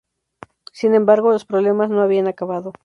Sin embargo, los problemas no habían acabado.